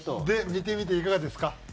で見てみていかがですか？